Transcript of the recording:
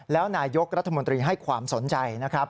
แล้วนายกรัฐมนตรีให้ความสนใจนะครับ